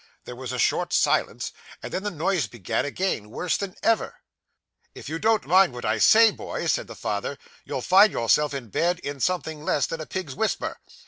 There was a short silence, and then the noise began again, worse than ever. "If you don't mind what I say, my boy," said the father, "you'll find yourself in bed, in something less than a pig's whisper."